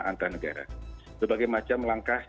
antar negara sebagai macam langkah